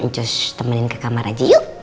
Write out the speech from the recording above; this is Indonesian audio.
terus temenin ke kamar aja yuk